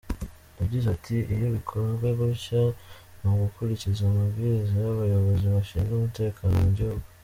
Yagize ati « iyo bikozwe gutya ni ugukurikiza amabwiriza y’abayobozi bashinze umutekano mu gihugu.